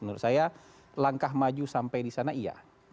menurut saya langkah maju sampai di sana iya